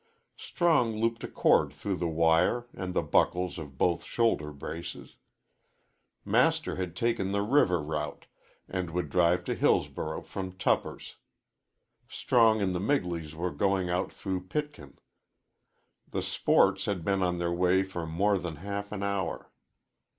Strong looped a cord through the wire and the buckles of both shoulder braces. Master had taken the river route, and would drive to Hillsborough from Tupper's. Strong and the Migleys were going out through Pitkin. The "sports" had been on their way for more than half an hour.